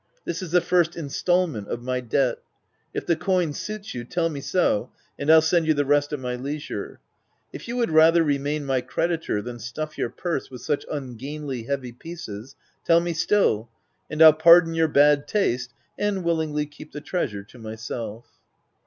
This is the first instalment of my debt. If the coin suits you, tell me so, and I'll send you the rest at my leisure : if you would rather remain my creditor than stuff your purse with such un gainly heavy pieces, — tell me still, and Fll pardon your bad taste, and willingly keep the treasure to myself.